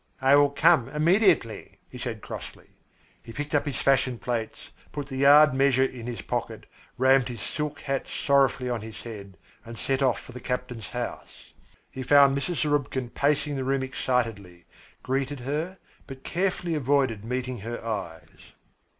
"I will come immediately," he said crossly. He picked up his fashion plates, put the yard measure in his pocket, rammed his silk hat sorrowfully on his head and set off for the captain's house. He found Mrs. Zarubkin pacing the room excitedly, greeted her, but carefully avoided meeting her eyes.